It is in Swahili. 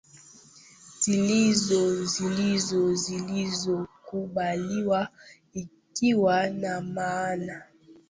zilizo zilizo zilizo kubaliwa ikiwa na maana